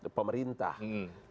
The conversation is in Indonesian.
jadi pemerintah itu